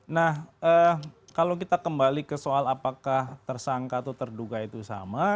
nah kalau kita kembali ke soal apakah tersangka atau terduga itu sama